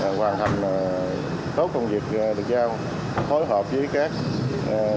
thực hiện dụng chính trị được trách giao hoàn thành tốt công việc được giao phối hợp với các bộ quân sĩ an tâm công tác